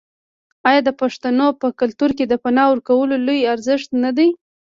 آیا د پښتنو په کلتور کې د پنا ورکول لوی ارزښت نه دی؟